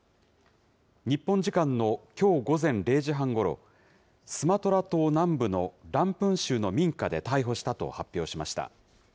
日本時間のきょう午前０時半ごろ、スマトラ島南部のランプン州の民家で逮捕したと発表しました。